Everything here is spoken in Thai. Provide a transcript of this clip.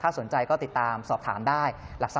สนใจก็ติดตามสอบถามได้